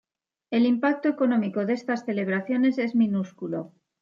El impacto económico de estas celebraciones es minúsculo.